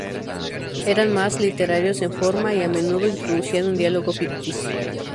Eran más literarios en forma y, a menudo, introducían un diálogo ficticio.